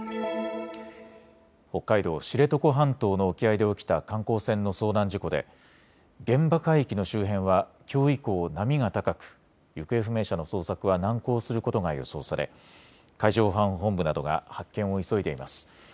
北海道知床半島の沖合で起きた観光船の遭難事故で現場海域の周辺はきょう以降、波が高く行方不明者の捜索は難航することが予想され海上保安本部などが発見を急いでいます。